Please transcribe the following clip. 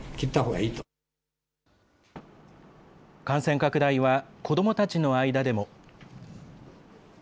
感染拡大は子どもたちの間でも。